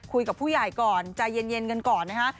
คุยกับผู้ใหญ่ก่อนใจเย็นกันก่อนนะฮะ